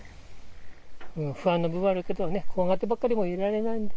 不安な部分はあるけどね、怖がってばっかりもいられないんで。